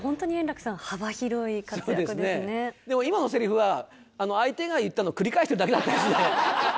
楽でも今のせりふは、相手が言ったの繰り返してただけだったですね。